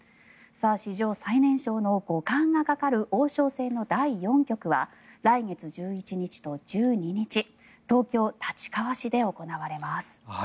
史上最年少の五冠がかかる王将戦の第４局は来月１１日と１２日東京・立川市で行われます。